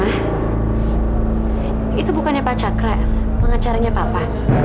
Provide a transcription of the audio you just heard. nah itu bukannya pak cakra pengacaranya papa